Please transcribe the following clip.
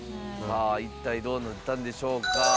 さあ一体どうなったんでしょうか。